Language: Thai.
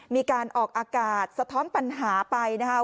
มีการออกอากาศสะท้อนปัญหาไปนะครับ